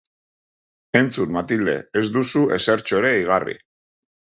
Entzun, Matilde, ez duzu ezertxo ere igarri.